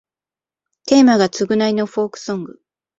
テーマが償いのフォークソング